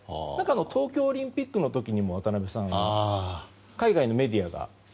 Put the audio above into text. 東京オリンピックの時にも渡辺さん、海外のメディアが。